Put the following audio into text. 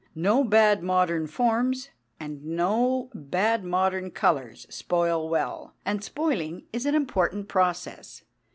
No bad modern forms and no bad modern colours spoil well. And spoiling is an important process.